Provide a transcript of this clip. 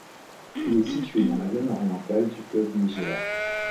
Il est situé dans la zone orientale du fleuve Niger.